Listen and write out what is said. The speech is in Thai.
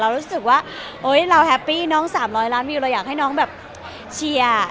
รู้สึกว่าเราแฮปปี้น้อง๓๐๐ล้านวิวเราอยากให้น้องแบบเชียร์